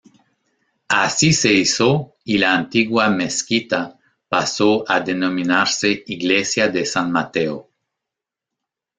Así se hizo y la antigua mezquita, pasó a denominarse iglesia de San Mateo.